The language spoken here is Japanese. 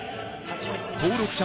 登録者